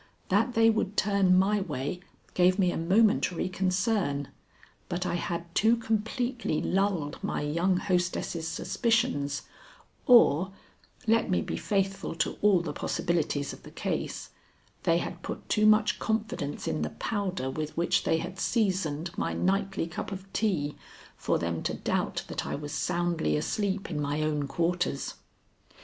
That they would turn my way gave me a momentary concern, but I had too completely lulled my young hostesses' suspicions, or (let me be faithful to all the possibilities of the case) they had put too much confidence in the powder with which they had seasoned my nightly cup of tea, for them to doubt that I was soundly asleep in my own quarters.